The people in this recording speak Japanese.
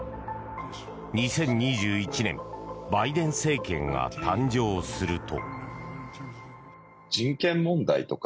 ２０２１年バイデン政権が誕生すると。